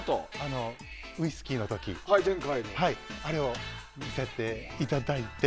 ウイスキーの時あれを見せていただいて。